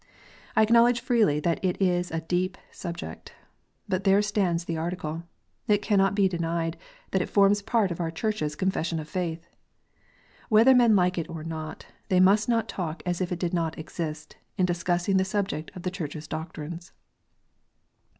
I acknowledge freely that it is a deep subject. But there stands the Article ! It cannot be denied that it forms part of our Church s Confession of faith. Whether men like it or not, they must not talk as if it did not exist, in discussing the subject of the Church s doctrines.